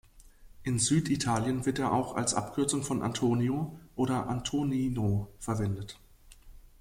In Süditalien wird er auch als Abkürzung von Antonio oder "Antonino" verwendet.